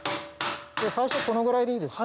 最初このぐらいでいいです。